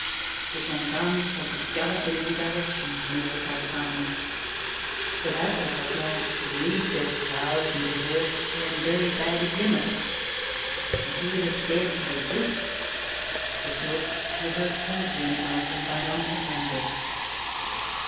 The gendarmes had to gallop in every direction to notify the farmers. The latter, obliged to leave their plows, and their work, were in very bad humor. But who would have dared to resist.^ The thought never occurred to any one from Bayonne to Hamburg.